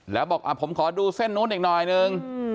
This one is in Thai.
แล้วบอกผมขอดูเส้นนู้นอีกหน่อยนึง